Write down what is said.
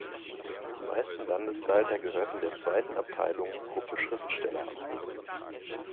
Die meisten Landesleiter gehörten der zweiten Abteilung "Gruppe Schriftsteller" an.